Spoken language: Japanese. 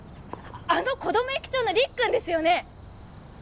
あの子ども駅長のりっくんですよね？